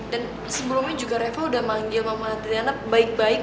dan sebelumnya juga reva udah manggil mama adriana baik baik